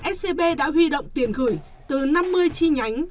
scb đã huy động tiền gửi từ năm mươi chi nhánh